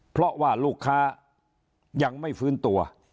เพราะว่าลูกค้ายังไม่ฟื้นตัว